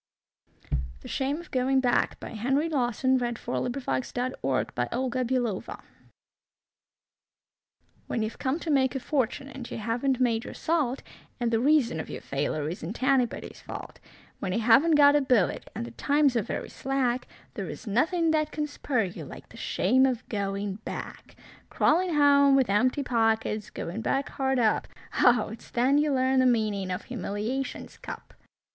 ck to the handle in spite of the Finger of Death on his heart. The Shame of Going Back When you've come to make a fortune and you haven't made your salt, And the reason of your failure isn't anybody's fault When you haven't got a billet, and the times are very slack, There is nothing that can spur you like the shame of going back; Crawling home with empty pockets, Going back hard up; Oh! it's then you learn the meaning of humiliation's cup.